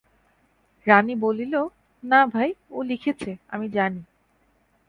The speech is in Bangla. রানী বলিল, না ভাই, ও লিখেছে, আমি জানি!